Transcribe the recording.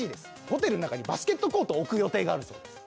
ホテルの中にバスケットコートを置く予定があるそうです。